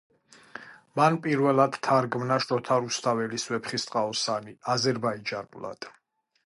მან პირველად თარგმნა შოთა რუსთაველის „ვეფხისტყაოსანი“ აზერბაიჯანულად.